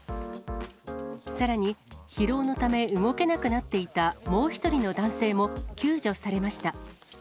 さらに疲労のため、動けなくなっていたもう１人の男性も救助されました。